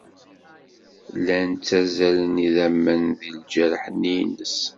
Llan ttazzalen yidammen deg lǧerḥ-nni-ines.